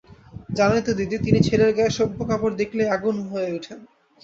জানোই তো দিদি, তিনি ছেলের গায়ে সভ্য কাপড় দেখলেই আগুন হয়ে ওঠেন।